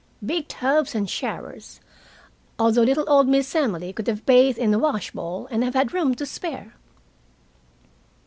Big tubs and showers, although little old Miss Emily could have bathed in the washbowl and have had room to spare.